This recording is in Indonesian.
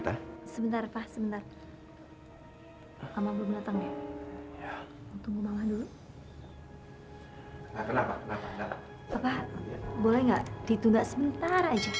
papa boleh nggak ditunda sebentar aja